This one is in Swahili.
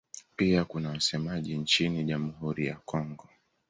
Pia kuna wasemaji nchini Jamhuri ya Kongo.